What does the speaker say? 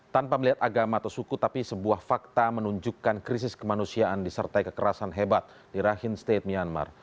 tanpa melihat agama atau suku tapi sebuah fakta menunjukkan krisis kemanusiaan disertai kekerasan hebat di rakhine state myanmar